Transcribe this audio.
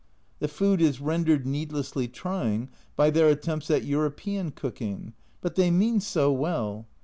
The food is rendered needlessly trying by their attempts at European cooking but they mean so well